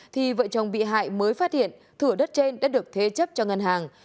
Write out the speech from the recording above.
thì vợ chồng bị hại mới phát hiện thửa đất trên đã được thế chấp cho ngân hàng